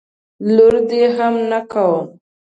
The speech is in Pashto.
لور دي هم نه کوم.